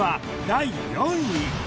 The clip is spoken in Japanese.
第４位